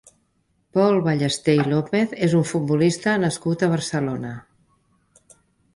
Pol Ballesté i López és un futbolista nascut a Barcelona.